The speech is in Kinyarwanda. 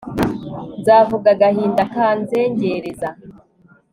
nzavuga agahinda kanzengereza